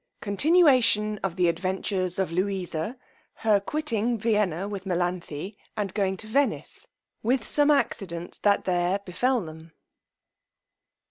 _Continuation of the adventures of Louisa: her quitting Vienna with Melanthe, and going to Venice, with some accidents that there befel them_.